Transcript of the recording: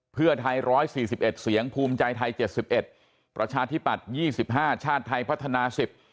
เพื่อไทย๑๔๑เสียงภูมิใจไทย๗๑ประชาธิปัตย์๒๕ชาติไทยพัฒนา๑๐